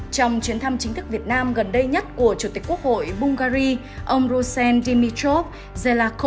trong chuyến thăm chính thức việt nam gần đây nhất của chủ tịch quốc hội bungary ông rusen dimitrov